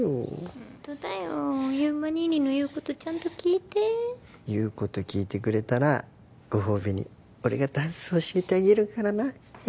ホントだよ祐馬にいにの言うことちゃんと聞いて言うこと聞いてくれたらご褒美に俺がダンス教えてあげるからな